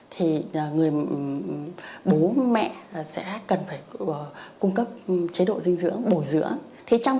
thì người bố mẹ sẽ cần phải cung cấp chế độ dinh dưỡng bồi dưỡng